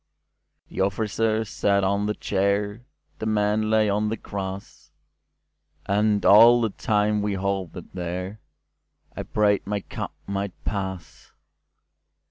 The officer sat on the chair, The men lay on the grass, And all the time we halted thereI prayed my cup might pass.